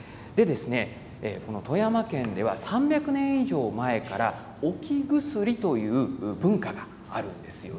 富山県では、３００年以上前から置き薬という文化があります。